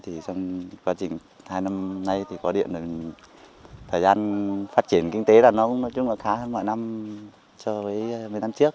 trong hai năm nay có điện thời gian phát triển kinh tế khá hơn mọi năm so với một mươi năm trước